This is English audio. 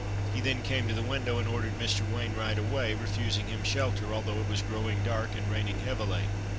He then came to the window and ordered Mr. Wainwright away, refusing him shelter, although it was growing dark and raining heavily.